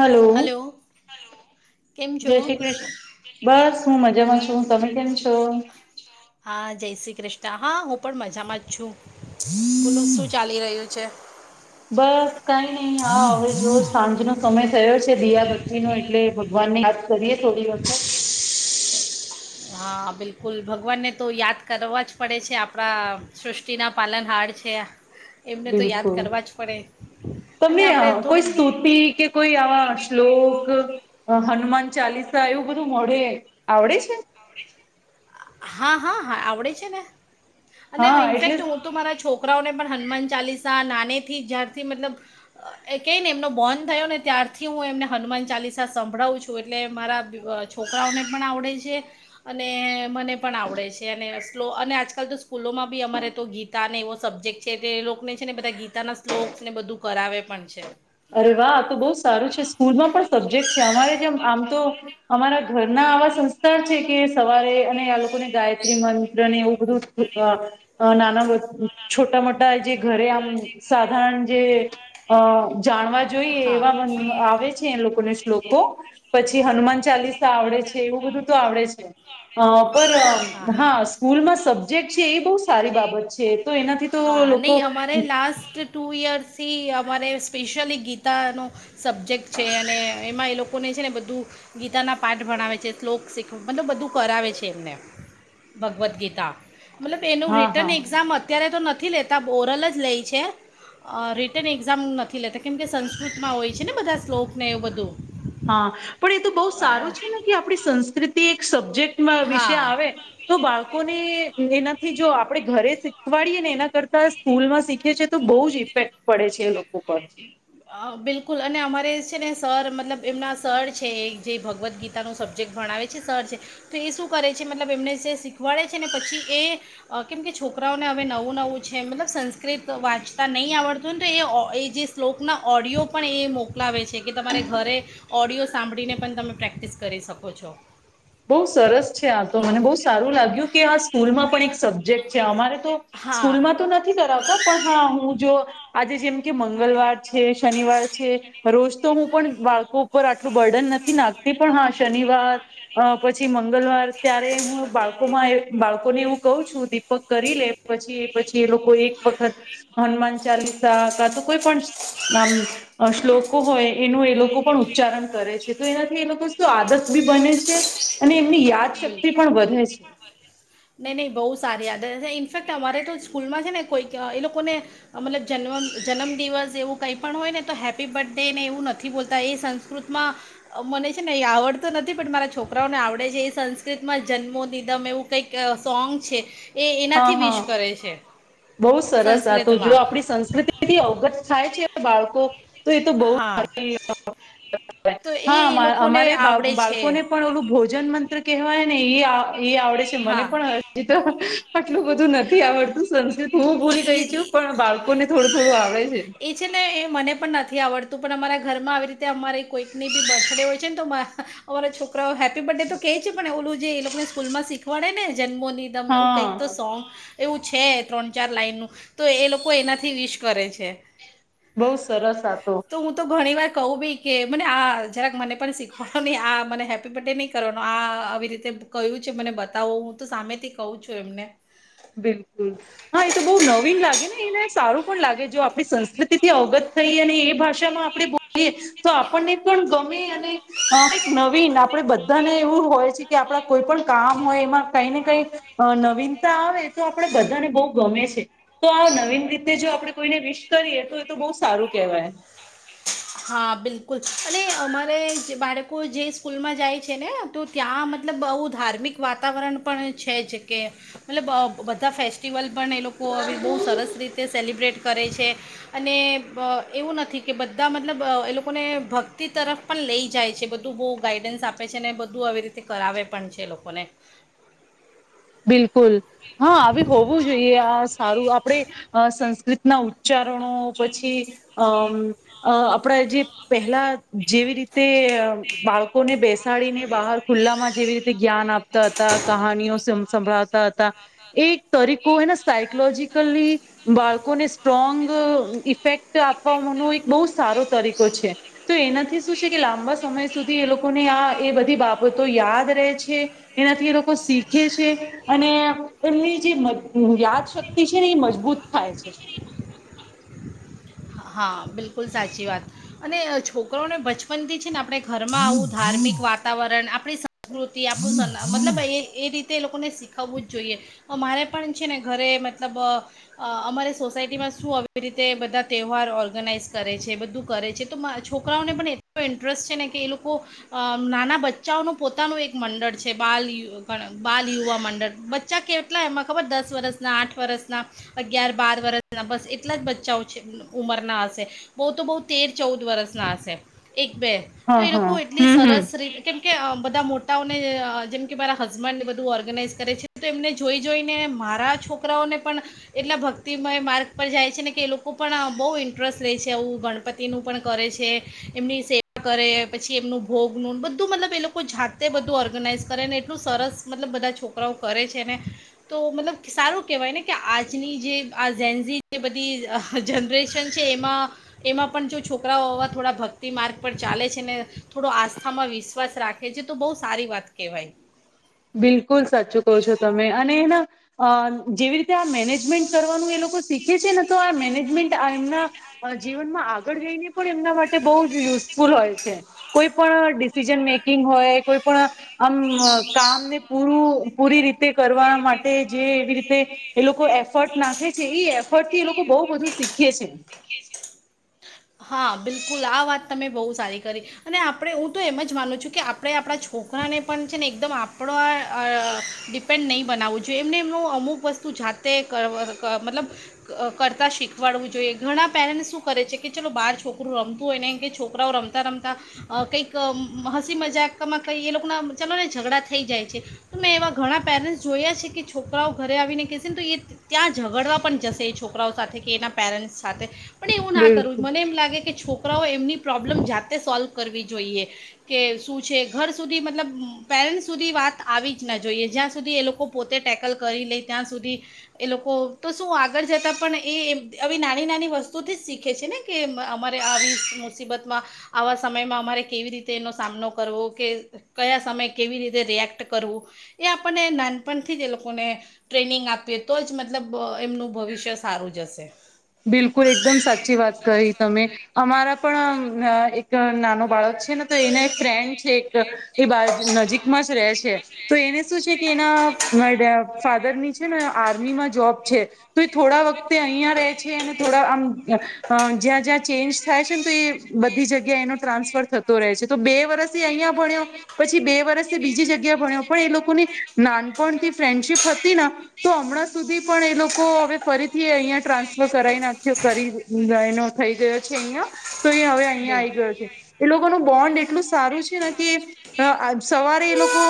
Hello કેમ છો જય શ્રી ક્રિશ બસ હું મજામાં છું તમે કેમ છો. હા જય શ્રી કૃષ્ણ હા હું પણ મજામાં જ છું. બોલો શું ચાલી રહ્યું છે? બસ કઈ નહીિ હા હવે જો સાંજ નો સમય થયો છે દીયા ભક્તી નો એટલે ભગવાન ની વાયાત કરીએ થોડી વખત. હા બિલકુલ ભગવાનને તો યાદ કરવા જ પડે છે આપણા સૃષ્ટિના પાલન હાર છે. એમને તો યાદ બિલકુલ કરવા જ પડે અને તમને આપણે કોઈ થોડુંક સ્તુતિ કે કોઈ આવા શ્લોક હનુમાન ચાલીસા એવું બધું મો આવડે છે. હા હા હા આવડે છે ને અને હા ઇન્ફેક્ટ એટલે હ તો મારા છોકરાઓને પણ હનુમાન ચાલીસા નાને થી જ્યારથી મતલબ એ ક ને એમનો બોન થયો ને ત્યારથી હું એમને હનુમાન ચાલીસા સંભળાવું છું એટલે મારા છોકરાઓને પણ આવડે છે અને મને પણ આવડે છે અને સ્લો અને આજકાલ તો સ્કૂલોમાં બી અમારે તો ગીતા અને એવો સબ્જેક્ટ છે તે એ લોકને છે ને બધા ગીતાના સ્લોક્સ ને બધું કરાવે પણ છે. અરે વાહ આ તો બહુ સારું છે સ્કૂલમાં પણ સબ્જેક્ટ છે અમારે જેમ આમ તો અમારા ઘરના આવા સંસ્કાર છે કે સવારે અને આ લોકોને ગાયત્રી મંત્રને એવું બધું. અ અ નાના છોટા મોટા જે ઘરે આમ સાધારણ જે અ જાણવા જોઈએ એવા આવે છે એ લોકોને શ્લોકો પછી હનુમાન ચાલીસા આવડે છે એવું બધું તો આવડે છે. અ પર હા સ્કૂલમાં સબ્જેક્ટ છે એ બહુ સારી બાબત છે. તો એનાથી તો હા લોકો નહીં અમારે લાસ્ટ ટુ યયર્સથી અમારે સ્પેશિયલી ગીતાનો સબ્જેક્ટ છે અને એમાં એ લોકોને છે ને બધું ગીતાના પાઠ ભણાવે છે શ્લોક શીખ મતલબ બધું કરાવે છે એમને ભગવદ્ ગીતા મતલબ એનું હા રિટર્ન હા એક્ઝામ હત. અત્યારે તો નથી લેતા ઓરલ જ લેય છે અ રિટર્ન એક્ઝામ નથી લેતા કેમ કે સંસ્કૃત માં હોય છે ને બધા શ્લોક ને એવું બધું. હા પણ એ તો બહુ અ, સારું છે ને કે આપણી સંસ્કૃતિ એક સબ્જેક્ટમાં વિશે હા આવે તો બાળકોને એનાથી જો આપણેે ઘરે શીખવાડીએ ને એના કરતાં સ્કૂલમાં શીખે છે તો બહુ જ ઈ ઇફેક્ટ પડે છે એ લોકો પર અ બિલકુલ અને અમારે છે ને સર મતલબ એમના સર છે એ જે ભગવદ્ ગીતા પોતાનું સબ્જેક્ટ ભણાવે છે સર છે તો એ શું કરે છે મતલબ એમને જે શીખવાડે છે ને પછી એ અ કેમ કે છોકરાઓને હવે નવું નવું છે મતલબ સંસ્કૃત વાંચતા નહીં આવડતું ને તો એ એ જે શ્લોકના ઓડિયો પણ એ મોકલાવે છે કે તમારે ઘરે ઓડિયો સાંભળીને પણ તમે પ્રેક્ટિસ કરી શકો છો. બહુ સરસ છે આ તો મને બહુ સારું લાગ્યું કે આ સ્કૂલમાં પણ એક સબ્જેક્ટ છે અમારે તો હા સ્કૂલમાં તો નથી કરાવતા પણ હા હું જો આજે જેમ કે મંગલવાર છે શનિવાર છે રોજ તો હું પણ બાળકો પર આટલું બર્ડન નથી નાખતી પણ હા શનિવાર અ પછી મંગલવાર ત્યારે હું બાળકો માં એ બાળકો લોકોને એવું કઉ છું દીપક કરી લે પછી એ પછી એ લોકો એક વખત હનુમાન ચાલીસા કા તો કોઈ પણ નામ અ શ્લોકો હોય એનું એ લોકો પણ ઉચ્ચારણ કરે છે તો એનાથી એ લોકો શું આદત બી બને છે. અને એમની બિલકુલ યાદશક્તિ પણ વધે છે. નહીં નહીં બહુ સારી આદત ઇનફેક્ટ અમારે તો સ્કૂલમાં છે ને કોઈક એ લોકોને અ મતલબ જન્મ જનમદિવસ એવું કંઈ પણ હોય ને તો હેપી બર્થ ડે ને એવું નથી બોલતા એ સં સંસ્કૃતમાં મને છે ને એ આવડતું નથી પણ મારા છોકરાઓને આવડે છે એ સંસ્કૃતમાં જન્મો નિદમ એવું કંઈક સોંગ છે. એ હા એનાથી વિશ હા કરે છે. બહુ સરસ આ તો જો સંસ્કૃતમાં આપણી સંસ્કૃતિથી અવગત થાય છે બાળકો તો એ તો બહુ હા તો એ હા એ અમા લોકોને અમારે બા આવડે છે બાળકોને પણ ઓલું ભોજ ભજન મંત્ર કહેવાય ને એ આવ એ આવડે છે મને હા પણ જી તો આટલું બધું નથી આવડતું સંસ્કૃત હું ભૂલી ગઈ ઈ- છું ઈ- પણ બાળકો ને થોડું થોડું આવડે છે. એ છે ને એ મને પણ નથી આવડતું પણ અમારા ઘરમાં આવી રીતે અમારી કોઈકની બી બર્થડે હોય છે ન તો અમારા છોકરાઓ હેપી બર્થ ડે તો કેહે છે પણ ઓલું જે એ લોકોને સ્કૂલમાં શીખવાડે ને જન્મની [unintelligible] એવું કઈક તો હા સોંગ એવું છે. ત્રણ ચાર લાઈનનું તો એ લોકો એનાથી વિશ કરે છે. બઉુ સરસ આ તો તો હું તો ઘણી વાર કહું બી કે મને આ જરાક મને પણ શીખવાડો નહીં આ મને હેપી બર્થ ડે નહીં. કરવાનું આ આવી રીતે કહું છે મને બતાવો હું તો સામેથી કહું છું એમને બિલકુલ હા એ તો બહુ નવીન લાગે ને એને સારું પણ લાગે જો આપણી સંસ્કૃતિથી અગત્ય થઈ અને એ ભાષામાં આપણે બોલીએ તો આપણને પણ ગમે અને હ એક નવીન આપણેે બધાને એવું હોય છે કે આપડા કોઈ પણ કામ હોય એમાં કઈ ને કઈ અ નવીનતા આવે એ તો આપણેે બધાને બહુ ગમે છે. તો આ નવીન રીતે જો આપડે કોઈને વિશ કરીએ તો એ તો બહુ સારું કહેવાય. હા બિલકુલ અને અમારે બાળકો જે સ્કૂલમાં જાય છે ને. તો ત્યાં મતલબ બહુ ધાર્મિક વાતાવરણ પણ છે જ કે મતલબ બધા ફેસ્ટિવલ ફેસ્ટિવલ પણ એ લોકો હવે બહુ સરસ રીતે સેલિબ્રેટ કરે છે અને એવું નથી કે બધા બધા મતલબ એ લોકોને ભક્તિ તરફ પણ લઈ જાય છે બધું બહુ ગાઈડન્સ આપે છે અનેને બધું આવી રીતે થી કરાવે પણ છે લોકોને બિલકુલ હા આવી હોવું જોઈએ આ સારું આપણેે અ સંસ્કૃતના ઉચ્ચારણો પછી અમ આપણા જે પહેલા જેવી રીતે તે બાળકોને બેસાડીને બહાર ખુલ્લામાં જેવી રીતે જ્ઞાન આપતા હતા કહાનીઓ સંભળાવતા હતા. એ તરીકો એને સાયકોલોજીકલી બાળકોને સ્ટ્રોંગ ઈફેક્ટ આપવાનો એક બહુ સારો તરીકો છે. તો એનાથી શું છે કે લાંબા સમય સુધી એ લોકોને આ એ બધી બાબતો યાદ રહે છે. એનાથી એ લોકો શીખે છે. અને એમની જે યાદ શક્તિ છે ને એ મજબૂત થાય છે. હા બિલકુલ સાચી વાત. અને છોકરોને બચપનથી છે ને આપણે ઘરમાં આવું ધાર્મિક વાતાવરણ આપણે આપણી સંસ્કૃતિ આપણું મતલબ એ રીતે તે લોકોને શીખવવું જ જોઈએ મારે પણ છે ને ઘરે મતલબ અ અમારે સોસાયટીમાં શું આવી રીતે બધા તહેવાર ઓર્ગેનાઇઝ કરે છે એ બધું કરે છે તો છોકરાઓને પણ એટલો ઇન્ટરેસ્ટ છે ને કે એ લોકો અ નાના બચ્ચાઓનું પોતાનું એક મંડળ છે બાલ બાલ યુવા મંડળ બચ્ચા કે એટલા એમાં ખબર દસ વર્ષના આઠ વર્ષના અગિયાર બાર વર્ષના બસ એટલા જ બચ્ચાઓ છે. ઉંમરના હશે બહુ તો બહુ તેર ચૌદ વર્ષના હશે એક બે તો હા એ લોકો હા એટલી હમ હમ સરસ રીતે કેમ કે બધા મોટાઓને જેમ કે મારા હસબન્ડને બધું ઓર્ગેનાઈઝ કરે છે તો એમને જોઈ જોઈને મારા છોકરાઓને પણ એટલા ભક્તિમય માર્ગ પર જાય છે ને કે એ લોકો હું પણ બહુ ઇન્ટરેસ્ટ લે છે આવું ગણપતિનું પણ કરે છે. એમની સેવા કરે પછી એમનું ભોગનું બધું મતલબ એ લોકો જાતે બધું ઓર્ગેનાઈઝ કરે ને એટલું સરસ મતલબ બધા છોકરાઓ કરે છે ને તો મતલબ સારું કેહેવાય ને કે આજની જે આ ઝેનઝી બધી જનરેશન છે એમાં એમાં પણ જો છોકરાઓ આવા થોડા ભક્તિ માર્ગ પર ચાલે છે ને થોડો આસ્થામાં વિશ્વાસ રાખે હે જે તો બહુ સારી વાત કહેવાય. બિલકુલ સાચું કહો છો તમે અને અ જેવી રીતે આ મેનેજમેન્ટ કરવાનું એ લોકો શીખે છે ને તો આ મેનેજમેન્ટ એમના જીવનમાં આગળ જઈને પણ એમના માટે બહુ જ યુઝફુલ હોય છે. કોઈ પણ ડિસિઝન મેકિંગ હોય કોઈ પણ આમ પૂરું પૂરી રીતે કરવા માટે જે એવી રીતે એ લોકો એફર્ટ નાખે છે એ એફર્ટ થી એ લોકો બહુ બધું શીખે છે. હા બિલકુલ આ વાત તમે બહુ સારી કરી અને આપણે હું તો એમ જ માનું છું કે આપણે આપણા છોકરાને પણ છે ને એકદમ આપણો પેન નહીં બનાવવું જોઈએ એમ એમનું અમુક વસ્તુ જાતે મતલબ કરતા શીખવાડવું જોઈએ ઘણા પેરેન્ટ શું કરે છે. કે ચલો બહાર છોકરું રમતું હોય ને કે છોકરાઓ રમતા રમતાં અ કંઈક હસી મજાકમાં કઈ એ લોકો ના ચાલો ને ઝઘડા થઈ જાય છે. તો મેં એવા ઘણા પેરેન્ટ્સ જોયા છે કે છોકરાઓ ઘરે આવીને કેહેશે ને તો એ ત્યાં ઝગડવા પણ જશે એ છોકરાઓ સાથે કે એના પેરેન્ટ્સ સાથે પણ એવું ના કરવું બિલકુલ મને એમ લાગે કે છોકરાઓ એમની પ્રોબ્લેમ જાતે સોલ્વ કરવી જોઈએ કે શું છે ઘર સુધી મતલબ પેરેન્ટ્ સુધી વાત આવી જ ના જોઈએ જ્યાં સુધી એ લોકો પોતે ટેકલ કરી લે ત્યાં સુધી એ લોકો તો શું આગળ જતા પણ એ આવી નાની નાની વસ્તુથી શીખ શખે છે ને કે અમારે આવી મુસીબતમાં આવા સમયમાં અમારે કેવી રીતે એનો સામનો કરવો કે કયા સમયે કેવી રીતે રિએક્ટ કરવું એ આપણને નાનપણથી જ એ લોકોને ટ્રેનિંગ આપીએ તો જ મતલબ એમનું ભવિષ્ય સારું જશે બિલકુલ એકદમ સાચી વાત કહી તમે અમારા પણ એક નાનો બાળક છે. ને તો એના એક ફ્રેન્ડ છે એક એ બાર નજીકમાં જ રહે છે તો એને શું છે કે એના ફાધર ની છે ને આર્મીમાં જોબ છે તો એ થોડા વખતે અહં થો જ્યાં જ્યાં ચેન્જ થાય છે ને તો એ બધી જગ્યા એ ટ્રાન્સફર થ રહે છે તો બે વર્ષથી અહિયાં ભણ્યો પછી બે વર્ષથી બીજી જગ્યા ભણ્યો પણ એ લોકોને નાનપણથી ફ્રેન્ડશીપ હતી ને તો હમણાં સુધી પણ એ લોકો હવે ફરીથી અહિયાં ટ્રાન્સ કરાઈ નાખ્યો કરી એનો થઈ ગયો છે અહિયાં તો એ હવે અહિયાં આઈ ગયો છે. એ લોકોનું બોન્ડ એટલું સારું છે ને કે સવારે એ લોકો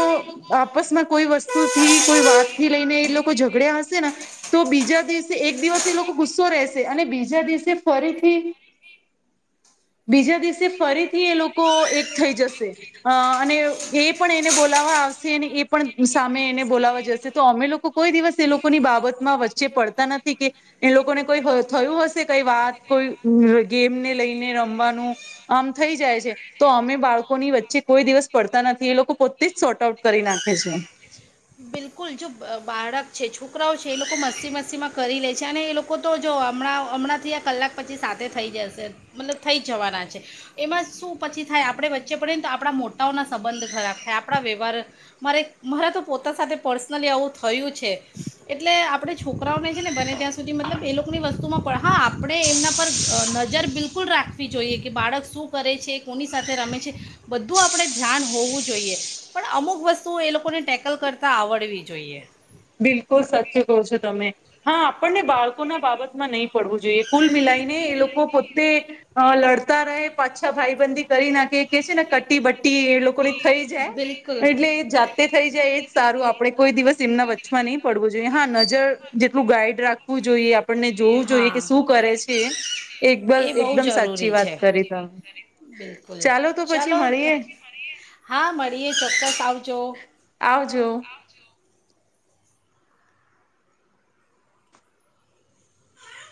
આપસમાં કોઈ વસ્તુ થી કોઈ વાત થી લઈને એ લોકો ઝઘડ્યા હશે ને તો બીજા દિવસે એક દિવસે એ લોકો ગુસ્સો રહેશે અને બીજા દિવસે ફરીથી બીજા દિવસે ફરીથી એ લોકો એક થઈ જશે અ અને એ પણ એને બોલાવવા આવશે અને એ પણ સામે એને બોલાવા જશે તો અમે લોકો કોઈ દિવસ એ લોકોની બાબતમાં વચ્ચે પડતા નથી કે એ લોકોને કોઈ થયું હશે કઈ વાત કોઈ ગેમને લઈને રમવાનું. આમ થઈ જાય છે. તો અમે બાળકોની વચ્ચે કોઈ દિવસ પડતા નથી એ લોકો પોતે જ શોર્ટ આઉટ કરી નાખે છે. બિલકુલ જો બાળક છે છોકરાઓ છે એ લોકો મસ્તી મસ્તીમાં કરી લે છે અને એ લોકો તો જો હમણાં હમણાં થી આ કલાક પછી સાથે થઈ જશે મતલબ થઈ જવાના છે. એમાં શું પછી થાય આપણે વચ્ચે પડે ને તો આપણા મોટાઓના સંબંધ ખરાબ થાય આપણા વ્યવહાર મારે મારે તો પોતા સાથે પર્સનલી આવું થયું છે એટલે આપણે છોકરાઓને છે ને બને ત્યાં સુધી મતલબ એ લોકોની વસ્તુમાં પણ હા આપણે એમના પર નજર બિલકુલ બિકુલ રાખવી જોઈએ કે બાળક શું કરે છે કોની સાથે રમે છે બધું આપણે ધ્યાન હોવું જોઈએ પણ અમુક વસ્તુ એ લોકોને ટેકલ કરતા તા આવડવી જોઈએ બિલકુલ સચ કહો છો તમે હા આપણને બાળકો ના બાબતમાં નહી પડવું જોઈએ કુલ મિલાઈને એ લોકો પોતે અ લડતા રહે પાછા ભાઈબંધી કરી નાખે કે છે ને કટ્ટી બટ્ટી એ લોકોની થઈ જાય બિલકુલ એટલે એ જાતે થઈ જાય એજ સારું આપડે કોઈ દિવસ એમના વચ્ચે ન પડવું જોઈએ હા નજર જેટલું ગાઈડ રાખ હું જોઈએ આપણને જોવું જોઈએ હા કે શું કરે છે. એકબલ એ બહુ એકદમ સાચી જરૂરી વાત છે કરી તમે. બિલકુલ તો પછી ચાલો મળીએ ત્યાં હા મળીએ ચોક્કસ આવજો. આવજો.